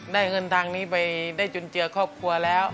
ได้เงินทางนี้ไปได้จุนเจือครอบครัวแล้ว